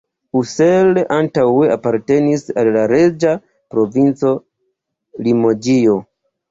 Ussel antaŭe apartenis al la reĝa provinco Limoĝio.